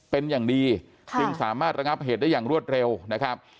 เป็นอย่างดีจึงสามารถระงับเหตุได้อย่างรวดเร็วนะครับ